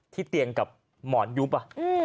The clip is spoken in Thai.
ที่เตียงกับหมอนยูป่ะ